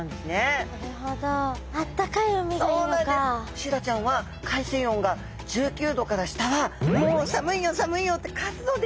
シイラちゃんは海水温が１９度から下は「もう寒いよ寒いよ」って活動できないんです。